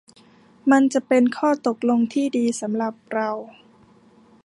มันจะเป็นข้อตกลงที่ดีสำหรับเรา